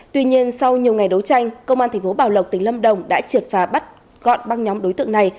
tuy nhiên sau nhiều ngày đấu tranh công an thành phố bảo lộc tỉnh lâm đồng đã triệt phá bắt gọn băng nhóm đối tượng này